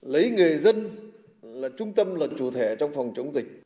lấy người dân là trung tâm là chủ thể trong phòng chống dịch